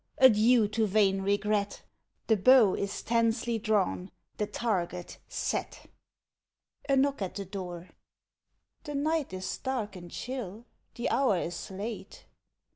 Adieu to vain regret! The bow is tensely drawn—the target set. [A knock at the door.] MAID (aside) The night is dark and chill; the hour is late.